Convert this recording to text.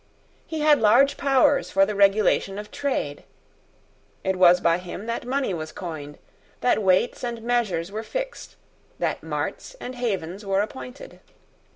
He had large powers for the regulation of trade. It was by him that money was coined, that weights and measures were fixed, that marts and havens were appointed.